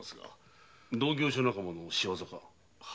同業者仲間の仕業か？